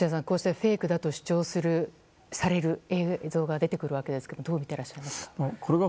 こうしてフェイクだと主張される映像が出てくるわけですがどう見ていらっしゃいますか。